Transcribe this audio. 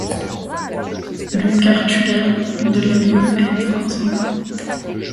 Le cartulaire de l'abbaye a été conservé.